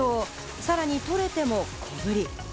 さらに取れても小ぶり。